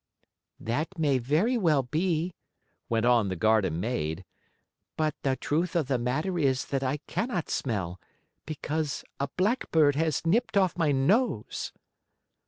"That may very well be," went on the garden maid, "but the truth of the matter is that I cannot smell, because a blackbird has nipped off my nose."